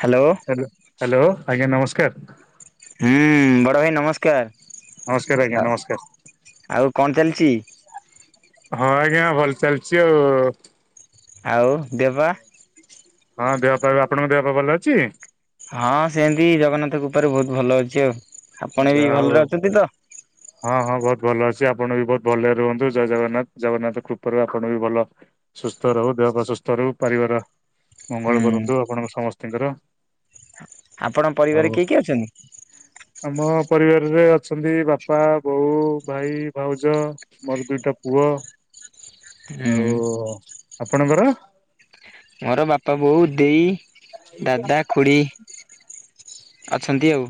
Hello hello ଆଜ୍ଞା ନମସ୍କାର। ହୁଁ ବଡ଼ ଭାଇ ନମସ୍କାର। ନମସ୍କାର ଆଜ୍ଞା ନମସ୍କାର। ଆଉ କଣ ଚାଲିଛି? ହଁ ଆଜ୍ଞା ଭଲ ଚାଲିଛି ଆଉ। ଆଉ ଦେହ ପା? ହଁ ଦେହ ପାହ୍ ବି, ଆପଣଙ୍କ ଦେହପା ଭଲ ଅଛି? ହଁ ସେମତି ଜଗନ୍ନାଥ କୃପାରୁ ବହୁତ ଭଲ ଅଛି ଆଉ। ଆପଣ ବି ଯା ହଉ। ଭଲରେ ଅଛନ୍ତି ତ? ହଁ ହଁ ବହୁତ ଭଲ ଅଛି ଆପଣ ବି ବହୁତ ଭଲରେ ରୁହନ୍ତୁ ଜୟ ଜଗନ୍ନାଥ ଜଗନ୍ନାଥ କୃପାରୁ ଆପଣ ବି ଭଲ ସୁସ୍ଥ ରହୁ ଦେହପା ସୁସ୍ଥ ରହୁ ପାରିବାର ହୁଁ ମଙ୍ଗଳ କରନ୍ତୁ ଆପଣଙ୍କ ସମସ୍ତଙ୍କର। ଆପଣ ଆଉ ପରିବାରେ କିଏ କିଏ ଅଛନ୍ତି? ଆମ ପରିବାରରେ ଅଛନ୍ତି ବାପା, ବୋଉ, ଭାଇ, ଭାଉଜ। ମୋର ଦୁଇଟା ପୁଅ, ହୁଁ ଆଉ ଆପଣଙ୍କର? ମୋର ବାପା, ବୋଉ, ଦେଇ, ଦାଦା, ଖୁଡ଼ି। ଅଛନ୍ତି ଆଉ,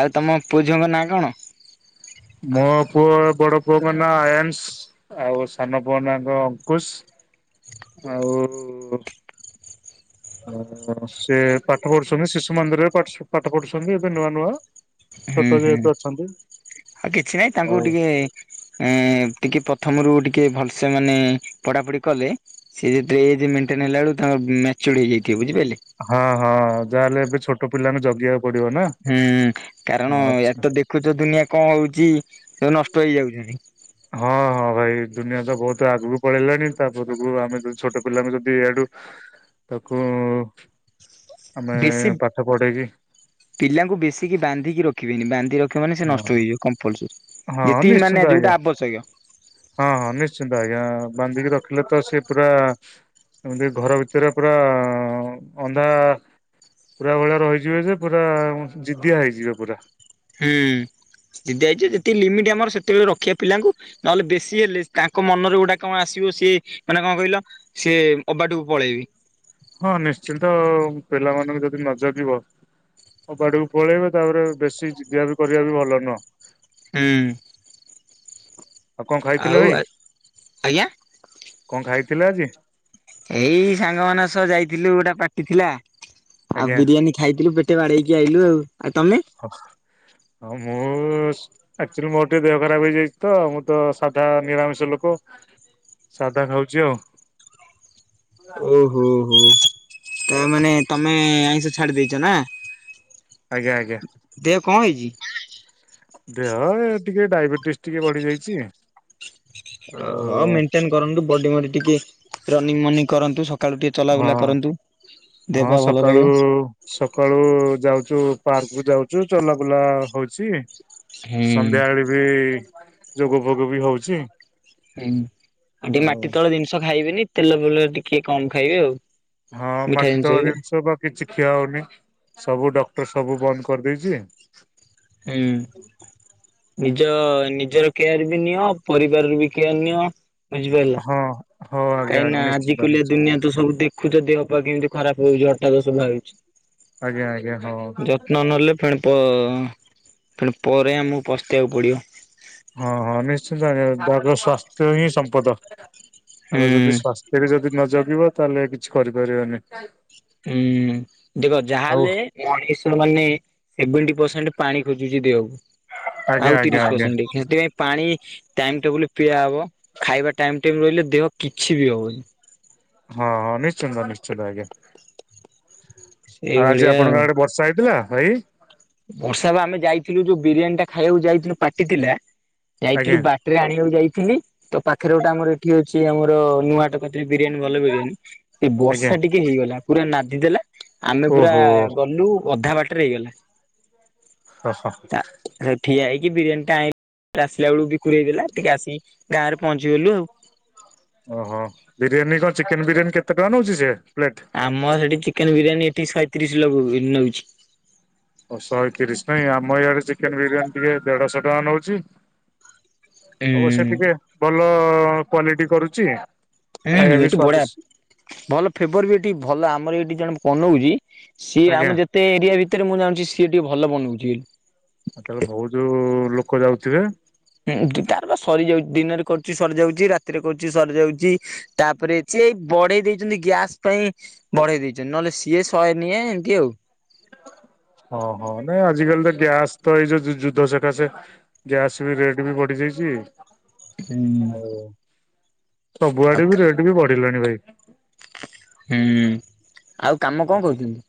ଆଉ ତମ ପୁଅ, ଝିଅଙ୍କ ନାଁ କଣ? ମୋ ପୁଅ ବଡ ପୁଅଙ୍କ ନା ଆୟନ୍ସ। ଆଉ ସାନ ପୁଅ ନା ଅଙ୍କୁଶ ଆଉ ସେ ପାଠ ପଢୁଛନ୍ତି ଶିଶୁ ମନ୍ଦିରରେ ପାଠ ପଢୁଛନ୍ତି ଏବେ ନୂଆ ନୂଆ। ହୁଁ ଛୋଟ ହୁଁ ଯେହେତୁ ଅଛନ୍ତି। ଆଉ କିଛି ନାହିଁ ଆଉ ତାଙ୍କୁ ଟିକେ ଏଁ ଟିକେ ପ୍ରଥମରୁ ଟିକେ ଭଲସେ ମାନେ ପଢାପଢି କଲେ ସେ ଯେତେବେଳେ ଏଜ୍ ମେଣ୍ଟେନ ହେଲା ବେଳକୁ ତାଙ୍କେ ମେଚୁରେଡ ହେଇଯାଇଥିବେ ବୁଝିପାରିଲେ। ହଁ ହଁ ଯାହାହେଲେ ଏବେ ଛୋଟ ପିଲାମାନେ ଜଗିବାକୁ ପଡିବ ନା। ହୁଁ କାରଣ ଏ ଆଚ୍ଛା ତ ଦେଖୁଛ ଦୁନିଆ କଣ ହଉଛି ସବୁ ନଷ୍ଟ ହେଇଯାଉଛନ୍ତି। ହଁ ହଁ। ଭାଇ ଦୁନିଆ ତ ବହୁତ ଆଗକୁ ପଳେଇଲାଣି ତା ପରକୁ ଆମେ ଯଦି ଛୋଟ ପିଲା ଯଦି ଏଇଆଡୁ ତାକୁ ଆମେ ବେଶୀ ପାଠ ପଢ଼େଇକି। ପିଲାଙ୍କୁ ବେଶିକି ବାନ୍ଧିକି ରଖିବେନି ବାନ୍ଧି ରଖିବ ମାନେ ସେ ହଁ ନଷ୍ଟ ହେଇଯିବେ କମ୍ପଲସରୀ। ହଁ ଯେତିକି ନିଶ୍ଚିନ୍ତ ମାନେ ଆଜ୍ଞା ଯୋଉଟା ଆବଶ୍ୟକ। ହଁ ହଁ ନିଶ୍ଚିନ୍ତ ଆଜ୍ଞା ବାନ୍ଧିକି ରଖିଲେ ତ ସେ ପୁରା ଏମିତି ଘର ଭିତରେ ପୁରା ଅନ୍ଧା ପୁରା ଭଳିଆ ରହିଯିବେ ଯେ ପୁରା ଜିଦିଆ ହେଇଯିବେ ପୁରା। ହୁଁ [unintelligible] ଯେତିିକି ଲିମିଟ୍ ଆମର ସେ କେତେବେଳେ ରଖିବା ପିଲାଙ୍କୁ ନହେଲେ ବେଶୀ ହେଲେ ତାଙ୍କ ମନରେ ଗୋଟା କଣ ଆସିବ ସିଏ ମାନେ କଣ କହିଲ। ସିଏ ଅବାଟକୁ ପଳେଇବି। ହଁ, ନିଶ୍ଚିନ୍ତ ପିଲାମାନଙ୍କୁ ଯଦି ନ ଜଗିବ। ଅବାଟକୁ ପଳେଇବେ, ତାପରେ ବେଶୀ ଜିଦିଆ ବି କରିବା ବି ଭଲ ନୁହଁ। ହୁଁ। ଆଉ କଣ ଆଉ ଖାଇଥିଲେ ଭାଇ, ଆଜ୍ଞା କଣ ଖାଇଥିଲେ ଆଜି? ଏଇ ସାଙ୍ଗ ମାନଙ୍କ ସହ ଯାଇଥିଲୁ ଗୋଟେ ପାଟି ଥିଲା। ଆଉ ଆଜ୍ଞା ବିରିୟାନୀ ଖାଇଥିଲୁ ପେଟେ ବାଡେଇକି ଆଇଲୁ ଆଉ, ଆଉ ତମେ। ହ ହଁ ମୁଁ ଅକ୍ଚୁଆଲି ମୋର ଟିକେ ଦେହ ଖରାପ ହେଇଯାଇଛି ତ ମୁଁ ତ ସାଧା ନିରାମିଷ ଲୋକ। ସାଧା ଖାଉଛି ଆଉ। ଓ ହୋ ହୋ ତା ମାନେ ତମେ ଆଇଁଷ ଛାଡି ଦେଇଚ ନା। ଆଜ୍ଞା ଆଜ୍ଞା। ଦେହ କଣ ହେଇଚି। ଦେହ ଏ ଟିକେ ଡାଇବେଟିସ୍ ଟିକେ ବଢି ଯାଇଚି। ଓ ହଉ ମେଣ୍ଟେନ କରନ୍ତୁ ବଡି ମଡ଼ି ଟିକେ ରନିଙ୍ଗ ମନିଙ୍ଗ କରନ୍ତୁ, ସକାଳୁ ଟିକେ ଚଲାବୁଲା ହଁ କରନ୍ତୁ, ଦେହ ହଁ ପା ଭଲ ସକାଳୁ ରହିବ। ସକାଳୁ ଯାଉଚୁ ପାର୍କ କୁ ଯାଉଚୁ ଚଲାବୁଲା ହଉଛି। ହୁଁ। ସନ୍ଧ୍ୟାବେଳେ ବି ଯୋଗ ଫୋଗ ବି ହଉଛି। ହୁଁ ଆଉ ଟିକେ ଆଉ ମାଟି ତଳ ଜିନିଷ ଖାଇବେନି ତେଲ ବେଲ ଟିକେ କମ ଖାଇବେ ଆଉ। ହଁ ମିଠା ମାଟି ତଳ ବି। ଜିନିଷ ବା କିଛି ଖିଆ ହଉନି ସବୁ ଡକ୍ଟର, ସବୁ ବନ୍ଦ କରିଦେଇଚି। ଓମ୍। ନିଜ ନିଜର କେୟାର ବି ନିଅ ପରିବାର ବି କେୟାର ନିଅ [unintelligible] ହଁ ହଉ ଆଜ୍ଞା କାହିଁକି ନା ଆଜ୍ଞା ନିଶ୍ଚିନ୍ତ ଆଜିିକାଲିଆ ନିଶ୍ଚିନ୍ତ ଦୁନିଆ ତ ସବୁ ଦେଖୁଚ ଦେହ ପା କେମିତି ଖରାପ ହଉଛି ହଠାତ୍ ଆଜ୍ଞା ଆଜ୍ଞା ହଉ। [unintelligible] ଯତ୍ନ ନେଲେ ଫେଣି ପ ଫେଣେ ପରେ ଆମକୁ ପସ୍ତେଇବାକୁ ପଡ଼ିବ। ହଁ ହଁ ନିଶ୍ଚନ୍ତ ଆଣିବା ସ୍ଵାସ୍ଥ୍ୟ ହିଁ ସମ୍ପଦ ଆ ହୁଁ। ଯଦି ସ୍ୱାସ୍ଥ୍ୟ ଏବେ ଯଦି ନ ଜଗିବ ତାହେଲେ କିଛି କରିପାରିବନି। ହୁଁ ଦେଖ ଆଉ ଯାହାହେଲେ ମଣିଷ ମାନେ ସେଭେଣ୍ଟି ପରସେଣ୍ଟ ପାଣି ଖୋଜୁଛି ଦେହକୁ ଆଜ୍ଞା ଆଉ ଆଜ୍ଞା ତିରିଶ ଆଜ୍ଞା। ପରସେଣ୍ଟ ସେଥିପାଇଁ ପାଣି ଟାଇମ ଟେବୁଲ ପିଇଆ ହବ ଖାଇବା ଟାଇମ ଟେବୁଲ ରହିଲେ ଦେହ କିଛି ବି ହବନି। ହଁ ନିଶ୍ଚିନ୍ତ ନିଶ୍ଚିନ୍ତ ଆଜ୍ଞା। ଆଉ ଆଜି ଆପଣଙ୍କ ଆଡେ ବର୍ଷା ହେଇଥିଲା ଭାଇ। ବର୍ଷା ବା ଆମେ ଯାଇଥିଲୁ ଯୋଉ ବିରିୟାନୀ ଟା ଖାଇବାକୁ ଯାଇଥିଲୁ ପାଟି ଥିଲା ଆଜ୍ଞା ଯାଇଥିଲୁ ବା ରେ ଆଣିବାକୁ ଯାଇଥିଲି ତ ପାଖରେ ଗୋଟେ ଆମର ଏଠି ଅଛି ଆମର ନୂଆ ହାଟ ବିରିୟାନୀ ଭଲ ବିରିୟାନୀ ସେ ଆଜ୍ଞା ବର୍ଷା ଟିକେ ହେଇଗଲା, ପୁରା ନାଦି ଦେଲା ଆମେ ପୁରା ଓହୋ ଗଲୁ ଅଧା ବାଟରେ ହେଇଗଲା। ସ ଶ। [unintelligible] ଠିଆ ହେଇକି ବିରିୟାନୀ ଟା [inaudible] ଆସିଲା ବେଳକୁ [unintelligible] ଟିକେ ଆସିିକ ଗାଁରେ ପହଞ୍ଚିଗଲୁ ଆଉ। ଓହୋ ବିରିୟାନୀ କଣ ଚିକେନ ବିରିୟାନୀ କେତେ ଟଙ୍କା ନଉଛି ସେ ପ୍ଲେଟ୍? ଆମ ସେଟି ଚିକେନ ବିରିୟାନୀ ଏଠି ଶହେତିରିଶ ଲଗଉ ନଉଚି। ଓ ଶହେ ତିରିଶ ନାଇଁ ଆମ ଇଆଡ଼େ ଚିକେନ ବିରିୟାନୀ ଟିକେ ଦେଢ଼ଶହ ଟଙ୍କା ନଉଛି। ଅବଶ୍ୟ ଟିକେ ହୁଁ ଭଲ କ୍ଵାଲିଟି କରୁଚି। ଉଁ ଉଁ ଏଠି ବଢିଆ ଭଲ ଫେବର ବି ଏଠି ଭଲ ଆମର ଏଇଠି ଜଣେ ବନଉଚି ସିଏ ଆଜ୍ଞା। ଆମ ଯେତେ ଏରିଆ ଭିତରେ ମୁଁ ଜାଣୁଛି ସିଏ ଟିକେ ଭଲ ବନଉଚି ବୋଲି। ଆଉ ତାହେଲେ ବହୁତ ଯଉ ଲୋକ ଯାଉଥିବେ। ଉଁ ତାର ବା ସରିଯାଉଚି ଦିନରେ କରୁଛି ସରିଯାଉଚି ରାତିରେ କରୁଛି ସରିଯାଉଚି। ତା ପରେ ଚେ ବଢେଇ ଦେଇଛନ୍ତି ଗ୍ୟାସ ପାଇଁ ବଢେଇ ଦେଇଛନ୍ତି ନହେଲେ ସିଏ ଶହେ ନିଏ ଏମିତି ଆଉ। ଓ ହ ନାଇଁ ଆଜିିକାଲି ତ ଗ୍ୟାସ ତ ଏଇ ଯୋଉ ଯୁ ଯୁ ଯୁଦ୍ଧ ସକାଶେ ଗ୍ୟାସ ବି ରେଟ୍ ବି ବଢି ଯାଇଛି। ହୁଁ ଆଉ ଆଉ ସବୁଆଡେ ବି ରେଟ୍ ବି ବଢିଲାଣି ଭାଇ। ଉଁ ଆଉ କାମ କଣ କରୁଚନ୍ତି?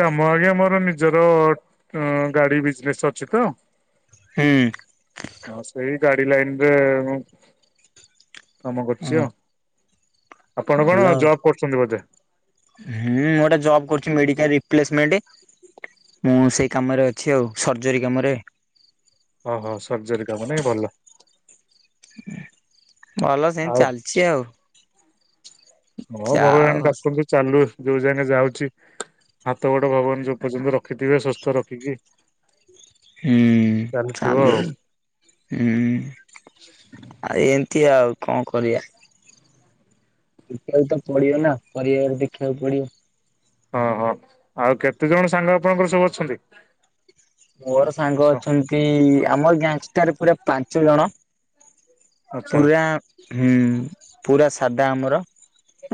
କାମ ଆଜ୍ଞା ମୋର ନିଜର ଗାଡି ବିଜନେସ ଅଛି ତ! ହୁଁ। ହଁ ସେଇ ଗାଡ଼ି ଲାଇନରେ ମୁଁ କାମ କରୁଛି ହୁଁ ଆଉ। ଆପଣ ଭଲ କଣ ଆଉ ଜବ କରୁଛନ୍ତି ବୋଧେ? ହୁଁ ମୁଁ ଏଟା ଜବ୍ କରୁଛି ମେଡିକାଲ ରିପ୍ଲେସମେଣ୍ଟ। ମୁଁ ସେଇ କାମରେ ଅଛି ଆଉ ସର୍ଜରୀ କାମରେ। ଓହୋ ସର୍ଜରୀ କାମରେ ଭଲ। ଭଲ ସେମତି ଆଉ ଚାଲିଚି ଆଉ। ହଁ ଯାଉ ଭଗବାନ ଡାକନ୍ତୁ ଚାଲୁ ଯୋଉ ଜାକେ ଯାଉଛି। ହାତ ଗୋଡ ଭାଗବାନ ଯୋଉ ପର୍ଯ୍ୟନ୍ତ ରଖିଥିବେ ସୁସ୍ଥ ରଖିକି ହୁଁ, ଚାଲିଥିବ ଆଉ ଚାଲୁ। ହୁଁ, ଆଉ ଏମିତି ଆଉ କଣ କରିବା? ଦେଖିବାକୁ ତ ପଡିବ ନା, ପରିବାର ଦେଖିବାକୁ ପଡିବ। ହଁ ହଁ। ଆଉ କେତେ ଜଣ ସାଙ୍ଗ ଆପଣଙ୍କର ସବୁ ଅଛନ୍ତି? ମୋର ସାଙ୍ଗ ଅଛନ୍ତି, ଆମର ଗ୍ୟାଙ୍ଗଷ୍ଟାର୍ ପୁରା ପାଞ୍ଚ ଜଣ। ଆଚ୍ଛା ପୁରା ହୁଁ, ପୁରା ସାଧା ଆମର।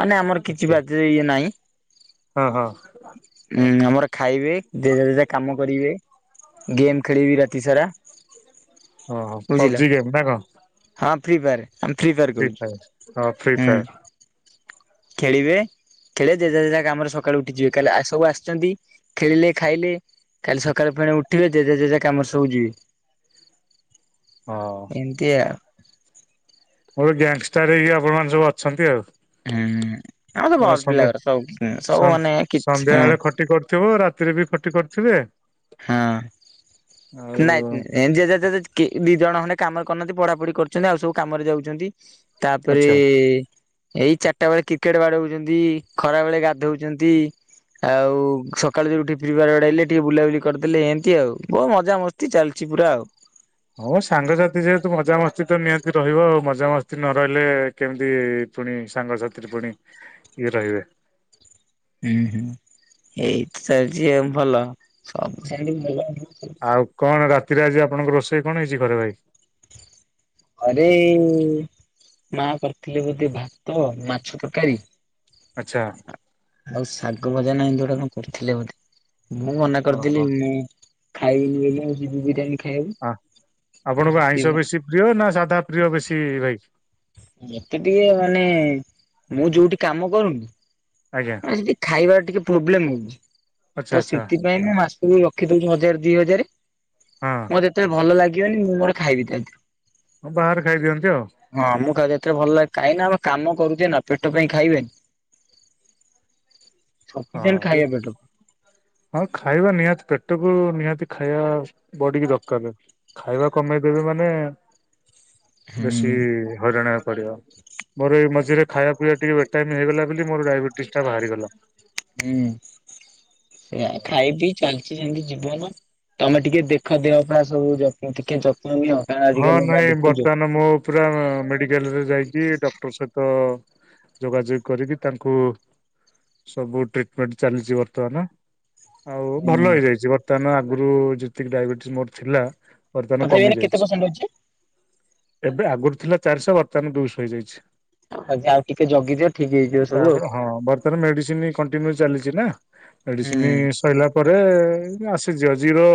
ମାନେ ଆମର କିଛି ଆଚ୍ଛା ବାଜେ ଇଏ ନାହିଁ। ହଁ ହଁ ଉଁ ଆମର ଖାଇବେ ଯେଝା ଯେଝା କାମ କରିବେ। ଗେମ୍ ଖେଳିବି ରାତିସାରା। ହ ହଁ। ପବ୍ଜି ଗେମ୍ ନା କଣ? ହଁ ଫ୍ରି ଫାୟାର। ଆମେ ଫ୍ରି ଫାୟାର ହଁ ଫ୍ରି ଖେଳୁଛୁ। ହୁଁ। ଫାୟାର ଖେଳିବେ। ଖେଳେ ଯେଜା ଯେଝା କାମରେ ସକାଳୁ ଉଠିଯିବେ। ସବୁ ଆସିଛନ୍ତି ଖେଳିଲେ, ଖାଇଲେ। କାଲି ସକାଳେ ଫେଣେ ଉଠିଲେ ଯେଝା ଯେଝା କାମରେ ସବୁ ଯିବେ। ହଁ ଏମିତିଆ। ଗୋଟେ ଗ୍ୟାଙ୍ଗଷ୍ଟାର ହେଇିକି ଆପଣ ମାନେ ସବୁ ଅଛନ୍ତି ଆଉ। ହୁଁ ଆମେ ତ ଭଲ ସନ୍ଧ୍ୟା ପିଲାରା ସବୁ। ହୁଁ ସବୁ ମାନେ କିଛି, ହୁଁ। ଥିବ ରାତିରେ ବି ଖଟି କରୁଥିବେ? ହଁ, ଆଉ ନାଇଁ ଏମ ଯେଝା ଯେଝା କେ ଦି ଜଣ ଖଣ୍ଡେ କାମରେ କରୁନାହାନ୍ତି, ପଢାପଢି କରୁଛନ୍ତି। ଆଉ ସବୁ କାମରେ ଯାଉଛନ୍ତି। ଆଚ୍ଛା। ତାପରେ-' ଏଇ ଚାରିଟା ବେଳେ କ୍ରିକେଟ ବାଡଉଛନ୍ତି, ଖରା ବେଳେ ଗାଧୋଉଛନ୍ତି। ଆଉ ସ ସକାଳୁ ଉଠି କି ଫ୍ରି ଫ୍ୟାୟର ବାଡ଼ାଇଲେ, ଟିକେ ବୁଲାବୁଲି କରିଦେଲେ। ଏମିତି ଆଉ ବହୁ ମଜାମସ୍ତି ଚାଲିଛି ପୁରା ଆଉ। ହଁ ମ ସାଙ୍ଗସାଥି ଯେହେତୁ ମଜାମସ୍ତି ତ ନିହାତି ରହିବ ଆଉ। ମଜାମସ୍ତି ନ ରହିଲେ କେମିତି ଫୁଣି ସାଙ୍ଗସାଥିରେ ଫୁଣି ଇଏ ରହିବେ। ହୁଁ ହୁଁ। ଏଇତି ଚାଲିଛି ଆଉ ଭଲ, ସବୁ ସେମିତି ଭଲ। ଆଉ କଣ ରାତିରେ ଆଜି ଆପଣଙ୍କ ରୋଷେଇ କଣ ହେଇଛି ଘରେ ଭାଇ? ଘରେ ମା କରିଥିଲେ ବୋଧେ ଭାତ, ମାଛ ତରକାରୀ। ଆଚ୍ଛା। ଆଉ ଶାଗ ଭଜା ନା ଏମିତି ଗୋଟେ କଣ କରିଥିଲେ ବୋଧେ। ମୁଁ ମନା ଓହୋ। କରିଦେଲି ମୁଁ ଖାଇବିନି ବୋଲେ, ଆଯିି ବିରିୟାନୀ ଖାଇବାକୁ ଅ ଆଉ ଆପଣଙ୍କୁ ଆଇଁଷ ସେଥିପାଇଁ ବେଶୀ ପ୍ରିୟ ନା ସାଧା ପ୍ରିୟ ବେଶୀ ଭାଇ? ମତେ ଟିକେ ମାନେ ମୁଁ ଯୋଉଠି କାମ କରୁନି ଆଜ୍ଞା। ଏଠି ଖାଇବାର ଟିକେ ପ୍ରୋବ୍ଲେମ ହଉଚି। ଆଚ୍ଛା ତ ଆଚ୍ଛା। ସେଥିପାଇଁକା ମାସକୁ ରଖି ଦଉଚି ହଜାର ଦିହଜାର, ହଁ ମତେ ମତେ ଭଲ ଲାଗିବନି ମୁଁ ମୋର ଖାଇବି ଖାଲି। ହଁ ବାହାରେ ଖାଇଦିଅନ୍ତି ଆଉ? ହଁ ମୁଁ ଖାଉଚି ଯେତେବେଳେ ଭଲ ଲାଗେ। କାହିଁକିନା ଆମେ କାମ କରୁଚେ ନା ପେଟ ପାଇଁ ଖାଇବାନି। ହଁ, ସଫିସିଏଣ୍ଟ ଯେ ଖାଇବା ପେଟ ପାଇଁ। ହଁ ଖାଇବା ନିହାତି ପେଟକୁ ନିହାତି ଖାଇବା ବଡିକି ଦରକାରେ। ଖାଇବା କମେଇଦେବେ ମାନେ ବେଶୀ ହୁଁ ହଇରାଣରେ ପଡିବ। ମୋର ଏଇ ମଝିରେ ଖାଇବା ପିଇବା ଟିକେ ବେଟାଇମ୍ ହେଇଗଲା ବୋଲି, ମୋର ଡାଇବେଟିସ୍ ଟା ବାହାରିଗଲା। ହୁଁ ଏଇଆ ଖାଇ, ପି ଚାଲିଚି ସେମିତ ଜୀବନ। ତମେ ଟିକେ ଦେଖ ଦେହ ପା ସବୁ ଯ ଟିକେ ଯ [unintelligible] କାରଣ ହଁ ଆଜିିକାଲି ନାଇଁ ଦେଖୁଚୁ ବର୍ତ୍ତମାନ ମୁଁ ପୁରା ମେଡିକାଲରେ ଯାଇକି ଡକ୍ଟର ସହିତ ଯୋଗାଯୋଗ କରିକି ତାଙ୍କୁ ସବୁ ଟ୍ରିଟମେଣ୍ଟ ଚାଲିଚି ବର୍ତ୍ତମାନ ଆଉ ହୁଁ ଭଲ ହେଇଯାଇଚି। ବର୍ତ୍ତମାନ ଆଗୁରୁ ଯେତିକି ଡାଇବେଟିସ୍ ମୋର ଥିଲା, ବର୍ତ୍ତମାନ କମି ଯାଇଚି। ତମ ସାଙ୍ଗ ଅଛି। ଏବେ ଆଗୁରୁ ଥିଲା ଚାରିଶହ, ବର୍ତ୍ତମାନ ଦୁଇଶହ ହେଇଯାଇଚି। ଆଜ୍ଞା, ଆଉ ଟିକେ ଜଗିଦିଅ ଠିକ୍ ହେଇଯିବ ସବୁ ଆଉ। ତାପରେ ହଁ ବର୍ତ୍ତମାନ ମେଡିସିନି କଣ୍ଟିନ୍ୟୁ ଚାଲିଚି ନା, ମେଡିସିନି ହୁଁ। ସଇଲା ପରେ ଆସିଯିବ। ଜିରୋ,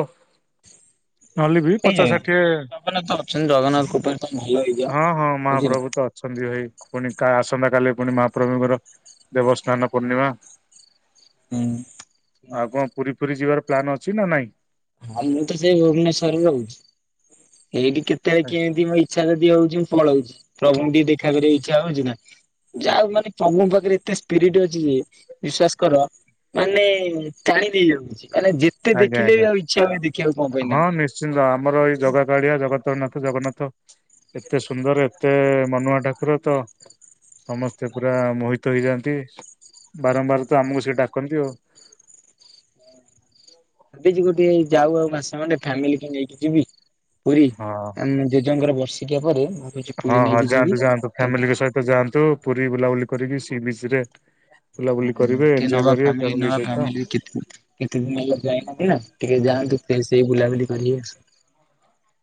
ନହେଲେ ବି ପଚାଶ, ହେଇଯାଏ ଷାଠିଏ ଜଗନ୍ନାଥ ଅଛନ୍ତି ଜଗନ୍ନାଥ କୃପାରୁ ତମେ ଭଲ ହେଇ ହଁ ହଁ, ମହାପ୍ରଭୁ ତ ଅଛନ୍ତି ଭାଇ। ପୁଣି କା ଆସନ୍ତାକାଲି ପୁଣି ମହାପ୍ରଭୁଙ୍କର ଦେବସ୍ନାନ ପୂର୍ଣ୍ଣିମା ଉଁ ଆଉ କଣ ପୁରୀ ଫୁରି ଯିବାର ପ୍ଲାନ୍ ଅଛି, ନା ନାଇଁ? ହଁ, ମୁଁ ତ ସେଇ ଭୁବନେଶ୍ଵରରେ ରହୁଚି। ଏଇଠି କେତେବେଳେ କେନ୍ତି ଇଚ୍ଛା ଯଦି ହଉଚି, ମୁଁ ପଳଉଚି। ପ୍ରଭୁଙ୍କୁ ଟିକେ ଦେଖାକରିବାକୁ ଇଚ୍ଛା ହଉଚି ନା। ଯାହାହଉ ମାନେ ତମ ପାଖରେ ଏତେ ସ୍ପିରିଟ୍ ଅଛି ଯେ, ବିଶ୍ବାସ କର ମାନେ ଟାଣି ନେଇ ଯାଉଚି, ମାନେ ଯେତେ ଆଜ୍ଞା ଦେଖିଲେ ଆଜ୍ଞା ବି ଆଉ ଇଚ୍ଛା ହୁଏ ଦେଖିବାକୁ କଣ ହଁ ପଇଲା ନିଶ୍ଚିନ୍ତ। ଆମର ଏଇ ଜଗା କାଳିଆ, ଜଗତରନାଥ ଜଗନ୍ନାଥ ଏତେ ସୁନ୍ଦର, ଏତେ ମନୁଆ ଠାକୁର, ତ ସମସ୍ତେ ପୁରା ମୋହିତ ହେଇଯାଆନ୍ତି, ବାରମ୍ବାର ତ ଆମକୁ ସିଏ ଡାକନ୍ତି ଆଉ। [unintelligible] ଭାବିଚି ଗୋଟିଏ, ଯାଉ ଆଉ ମାସେ ଖଣ୍ଡେ ଫ୍ୟାମିଲିକି ନେଇକି ଯିବି ପୁରୀ, ହଁ ଆମ ଜେଜେଙ୍କର ବର୍ଷିକିଆ ପରେ ଭାବୁଛି ହଁ ପୁରୀ ହଁ, ନେଇକି ଯିବି। ଯାଆନ୍ତୁ ଯାଆନ୍ତୁ। ତ ଫ୍ୟାମିଲିଙ୍କ ସହିତ ଯାଆନ୍ତୁ, ପୁରୀ ବୁଲାବୁଲି କରିକି ସି ବିଚ୍ ରେ ବୁଲାବୁଲି କରିବେ କି ଏଞ୍ଜୟ ନବା, କରିବେ ଫ୍ୟାମିଲ ଫ୍ୟାମିଲି ନବା, ସହିତ ଫ୍ୟାମିଲିକି କେତ କେତେ ଦିନ ହେଲା ଯାଇନାହାଁନ୍ତି ନା, ଟିକେ ଯାଆନ୍ତୁ ଫେର ସେଇ ବୁଲାବୁଲି କରିି ଆସୁ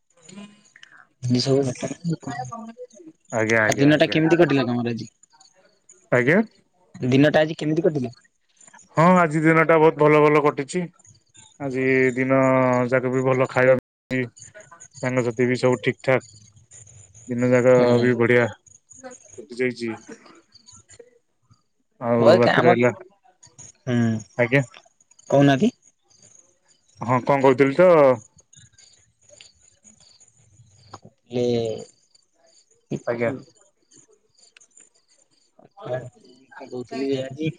[unintelligible] ଏ ସବୁ [unintelligible] କଣ, ଆଜ୍ଞା ଆ ଆଜ୍ଞା ଦିନଟା ଆଜ୍ଞା କେମତି କଟିଲା ତମର ଆଜି? ଆଜ୍ଞା? ଦିନଟା ଆଜି କେମତି କଟିଲା? ହଁ, ଆଜି ଦିନଟା ବହୁତ ଭଲ ଭଲ କଟିଚି। ଆଜି ଦିନ ଯାକ ବି ଭଲ ଖାଇବା ପାଇଁ ସାଙ୍ଗସାଥି ବି ସବୁ ଠିକଠାକ୍ ଦିନଯାକ ହୁଁ ବି ବଢିଆ କଟିଯାଇଚି। ଭଏକ ବାକି ଆମର ରହିଲା ହୁଁ, ଆଜ୍ଞା କହୁନାହାଁନ୍ତି? ହଁ, କଣ କହୁଥିଲି ତ ପ୍ଲେ ଆଜ୍ଞା। ଆଚ୍ଛା। କଣ କହୁଥିଲି ଯେ ଆଜି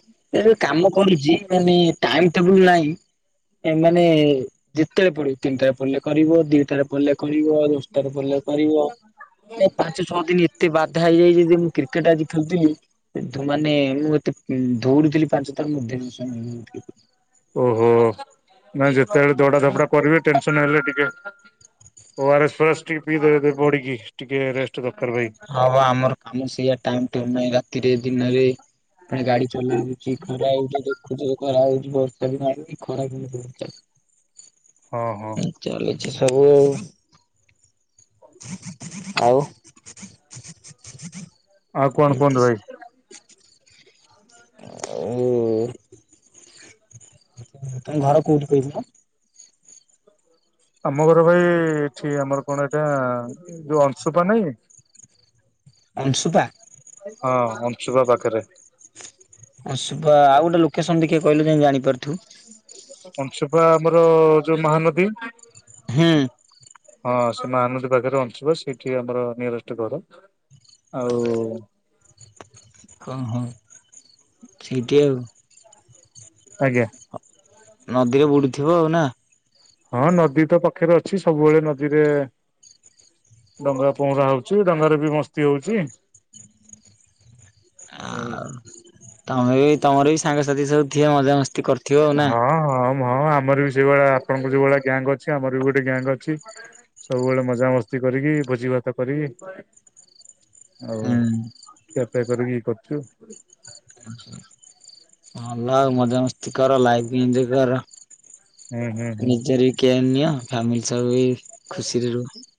ଏରେ କାମ କରୁଚି, ମାନେ ଟାଇମ୍ ଟେବୁଲ ନାହିଁ ଏ ମାନେ ଯେତେବେଳେ ପଡିବୁ, ତିନିଟାରେ ପଡିଲେ କରିବ, ଦିଇଟାରେ ପଡ଼ିଲେ କରିବ ଦଶଟାରେ ପଡିଲେ କରିିବ। ମତେ ପାଞ୍ଚ ଛଅ ଦିନ ଏତେ ବାଧା ହେଇଯାଇଛି ଯେ, ମୁଁ କ୍ରିକେଟ ଆଜି ଖେଳୁଥିଲି ଏଥୁମାନେ, ମୁଁ ଏତେ ଉମ୍ ଦଉଡୁଥିଲି ପାଞ୍ଚଥର, ମୁଁ ଟେନସନ ନଉ ନଥିଲି। ଓହୋ, ନାଇଁ ଯେତେବେଳେ ଦୌଡାଧାପଡା କରିବେ, ଟେନସନ ହେଲେ ଟିକେ ଓ ଆର ଏସ୍ ଫୋଆରେସ୍ ଟିକେ ପିଇଦେବେ ତେବେ ବଡିକି, ଟିକେ ରେଷ୍ଟ ଦରକାର ଭାଇ। ହଁ ବା ଆମର କାମ ସେଇଆ, ଟାଇମ୍ ଟେବୁଲ ନାହିଁ ରାତିରେ, ଦିନରେ ପୁଣି ଗାଡି ଚଲା ହଉଛି, ଖରା ହଉଛି, ଦେଖୁଚ ଖରା ହଉଛି, ବର୍ଷା ଦିନ ଆଇଲାଣି ଖରା କି [unintelligible] ହଁ, ହଁ। ଚାଲିଛି ସବୁ ଆଉ, ଆଉ କଣ କୁହନ୍ତୁ ଏମିତି। ଭାଇ? ଓ [inaudible] ତାଙ୍କ ଘର କୋଉଠି କହିଥିଲ? ଆମ ଘର ଭାଇ, ଏଠି ଆମର କଣ ଏଟା ଯୋଉ ଅଂଶୁପା ନାଇଁ। ଅଂଶୁପା? ହଁ ଅଂଶୁପା ପାଖରେ। ଅଂଶୁପା, ଆଉ ଗୋଟେ ଲୋକେସନ ଟିକେ କହିଲ ଯେମିତି ଜାଣିପାରୁଥିବୁ। ଅଂଶୁପା ଆମର ଯୋଉ ମହାନଦୀ ହୁଁ। ହଁ, ସେ ମହାନଦୀ ପାଖରେ ଅଂଶୁପା, ସେଠି ଆମର ନିୟରେଷ୍ଟ ଘର। ଆଉ ହଁ, ହଁ, ଠିକ୍ ଆଉ। ଆଜ୍ଞା। ନଦୀରେ ବୁଡୁଥିବ ଆଉ ନା? ହଁ, ନଦୀତ ପାଖରେ ଅଛି ସବୁବେଳେ ନଦୀରେ ଡଙ୍ଗା ପହଁରା ହଉଛି, ଡଙ୍ଗାରେ ବି ମସ୍ତି ହଉଛି। ଆଉ, ତମେବି ତମରବି ସାଙ୍ଗସାଥି ସବୁଥିବେ ମଜାମସ୍ତି କରୁ ହଁ ହଁ, ମ ଆମର ବି ସେଇଭଳିଆ ଆପଣଙ୍କ ଯୋଉଭଳିଆ ଗ୍ୟାଙ୍ଗ ଅଛି, ଆମର ବି ଗୋଟେ ଗ୍ୟାଙ୍ଗ ଅଛି। ସବୁବେଳେ ମଜାମସ୍ତି କରିକି ଭୋଜିଭାତ କରିକି। ହୁଁ ଆଉ, ଖିଆପିଆ କରିକି କରୁଚୁ। ଆଛା। ଭଲ ଆଉ ମଜାମସ୍ତି କର, ଲାଇଫ ଏନଜୟ କର। ହୁଁ ହୁଁ ହୁଁ। ନିଜରବି କେୟାର ନିଅ, ଫ୍ୟାମିଲି ସହବି ଖୁସିରେ ରୁହ। [inaudible]